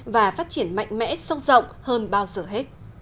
và phát triển mạnh mẽ sâu rộng hơn bao giờ hết